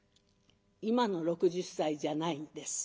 今の６０歳じゃないんです。